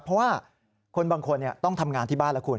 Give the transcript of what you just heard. เพราะว่าคนบางคนต้องทำงานที่บ้านแล้วคุณ